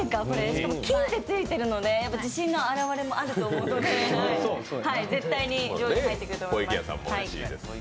しかも金ってついてるので自信の表れもあると思うので絶対に上位に入ってくると思います。